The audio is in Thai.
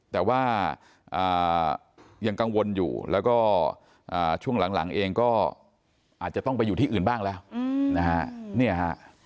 แต่ว่ายังกังวลอยู่แล้วก็ช่วงหลังเองก็อาจจะต้องไปอยู่ที่อื่นบ้างแล้วนะฮะ